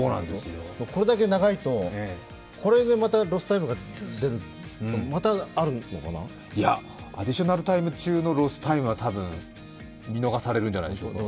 これだけ長いと、これでまたロスタイムが出るとか、アディショナルタイム中のロスタイムは見逃されるんじゃないでしょうか。